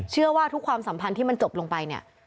เชื่อว่าทุกความสัมพันธ์ที่มันจบลงไปเนี่ย